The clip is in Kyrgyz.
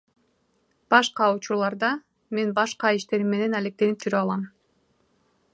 Башка учурларда мен башка иштерим менен алектенип жүрө алам.